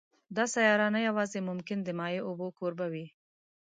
دا سیاره نه یوازې ممکن د مایع اوبو کوربه وي